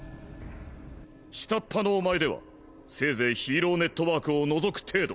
下っ端のおまえではせいぜいヒーローネットワークをのぞく程度。